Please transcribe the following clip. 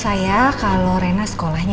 apa modo soal rendah dulu ya